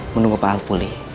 menunggu pak alpuli